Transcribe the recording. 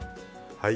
はい。